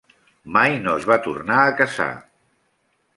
Mai no es va tornar a casar.